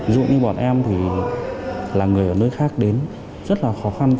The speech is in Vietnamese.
dù như bọn em thì là người ở nơi khác đến rất là khó khăn